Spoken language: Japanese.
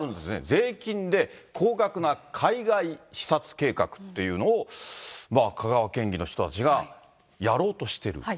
税金で高額な海外視察計画というのを香川県議の人たちがやろうとしてる。